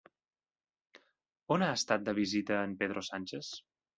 On ha estat de visita Pedro Sánchez?